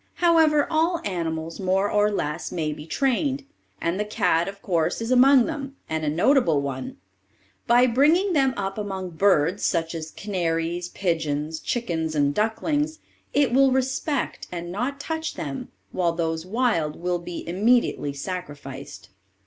However, all animals, more or less, may be trained, and the cat, of course, is among them, and a notable one. By bringing them up among birds, such as canaries, pigeons, chickens, and ducklings, it will respect and not touch them, while those wild will be immediately sacrificed.